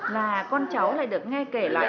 là con cháu lại được nghe kể lại